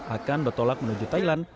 akan bertolak menuju thailand